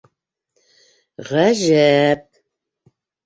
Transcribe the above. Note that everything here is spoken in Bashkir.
Ғәжә-әп...